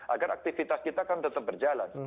agar aktivitas kita kan tetap berjalan